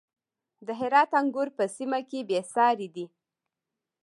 د هرات انګور په سیمه کې بې ساري دي.